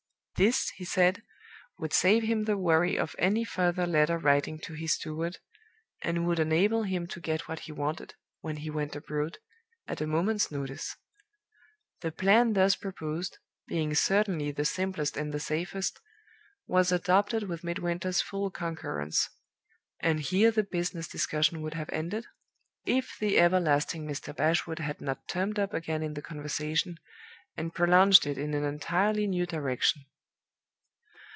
This, he said, would save him the worry of any further letter writing to his steward, and would enable him to get what he wanted, when he went abroad, at a moment's notice. The plan thus proposed, being certainly the simplest and the safest, was adopted with Midwinter's full concurrence; and here the business discussion would have ended, if the everlasting Mr. Bashwood had not turned up again in the conversation, and prolonged it in an entirely new direction.